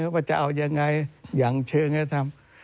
ว่าจะเอายังไงอย่างเชิงให้ทำ